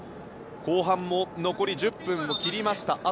後半も残り１０分を切りました。